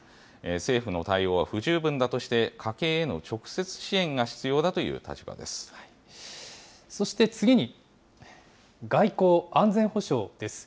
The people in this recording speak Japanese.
政府の対応は不十分だとして、家計への直接支援が必要だという立そして次に、外交・安全保障です。